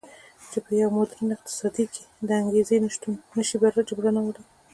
خو په یو موډرن اقتصاد کې د انګېزې نشتون نه شي جبرانولی